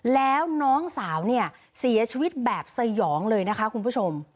แล้วน้องสาวเนี่ยเสียชีวิตแบบสยองเลยนะคะคุณผู้ชม